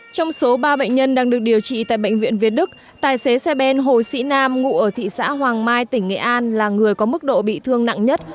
trong số ba bệnh nhân đang được điều trị tại bệnh viện việt đức tài xế xe ben hồ sĩ nam ngụ ở thị xã hoàng mai tỉnh nghệ an là người có mức độ bị thương nặng nhất